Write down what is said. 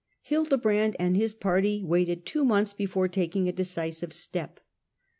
Hildebrand and his party waited two months before taking a decisive step.